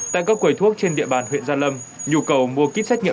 bây giờ còn chữ chữ thì nhiều không em